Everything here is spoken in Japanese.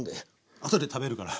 あとで食べるから。